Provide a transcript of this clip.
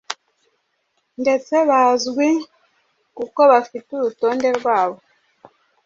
ndetse bazwi kuko bafite urutonde rwabo